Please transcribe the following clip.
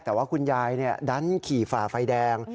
แต่ว่าคุณยายดันขี่ฝ่าไฟแดง